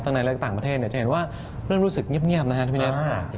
ตั้งในเรื่องต่างประเทศจะเห็นว่าเรื่องรู้สึกเงียบนะครับท่านผู้ชม